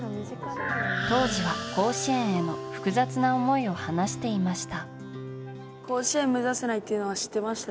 当時は甲子園への複雑な思いを話していました。